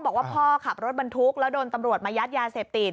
บอกว่าพ่อขับรถบรรทุกแล้วโดนตำรวจมายัดยาเสพติด